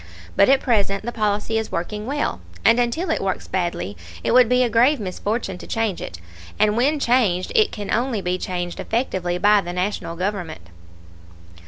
But at present the policy is working well, and until it works badly it would be a grave misfortune to change it, and when changed it can only be changed effectively by the National Government.